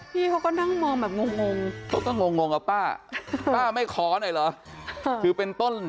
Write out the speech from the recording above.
พี่เขาก็นั่งมองแบบงงงเขาก็งงงอ่ะป้าป้าไม่ขอหน่อยเหรอคือเป็นต้น